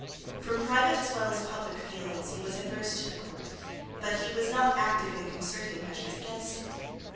From private as well as from public feelings he was adverse to the court: but he was not active in concerting measures against it.